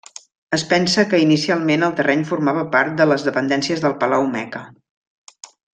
Es pensa que inicialment el terreny formava part de les dependències del palau Meca.